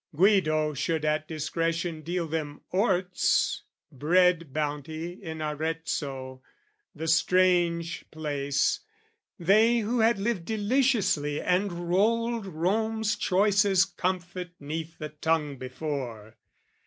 Guido should at discretion deal them orts, Bread bounty in Arezzo the strange place, They who had lived deliciously and rolled Rome's choicest comfit 'neath the tongue before.